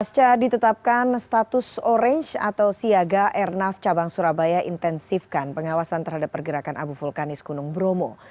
pasca ditetapkan status orange atau siaga airnav cabang surabaya intensifkan pengawasan terhadap pergerakan abu vulkanis gunung bromo